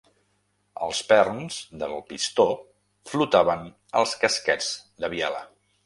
Els perns del pistó flotaven als casquets de biela.